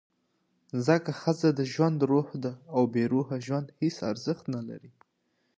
ځکه ښځه د ژوند «روح» ده، او بېروحه ژوند هېڅ ارزښت نه لري.